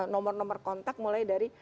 nomor nomor kontak mulai dari